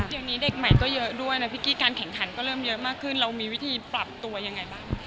เดี๋ยวนี้เด็กใหม่ก็เยอะด้วยนะพี่กี้การแข่งขันก็เริ่มเยอะมากขึ้นเรามีวิธีปรับตัวยังไงบ้าง